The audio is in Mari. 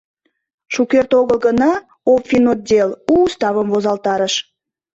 Шукерте огыл гына обфинотдел у уставым возалтарыш.